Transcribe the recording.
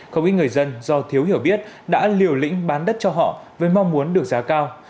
không ít người dân do thiếu hiểu biết đã liều lĩnh bán đất cho họ với mong muốn được giá cao